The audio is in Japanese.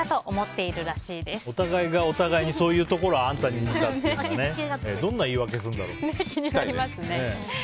お互いが、お互いにそういうところあんたに似たっていうのね。